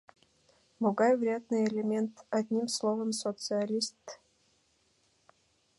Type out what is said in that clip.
Могай вредный элемент, одним словом, социалист!